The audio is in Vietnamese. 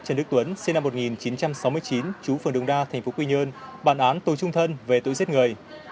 năm một nghìn chín trăm sáu mươi chín chú phường đồng đa thành phố quy nhơn bàn án tội trung thân về tội giết người